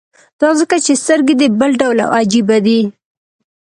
دا ځکه چې سترګې دې بل ډول او عجيبه دي.